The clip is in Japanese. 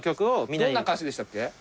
どんな歌詞でしたっけ？